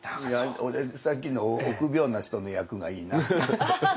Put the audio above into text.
いや俺さっきの臆病な人の役がいいな。